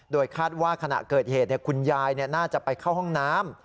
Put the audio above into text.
โดยคาดว่าขณะเกิดเหตุคุณยายน่าจะไปเข้าห้องน้ำ